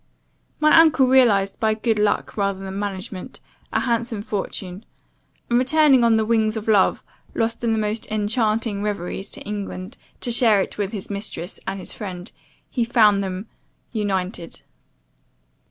"My uncle realized, by good luck, rather than management, a handsome fortune; and returning on the wings of love, lost in the most enchanting reveries, to England, to share it with his mistress and his friend, he found them united.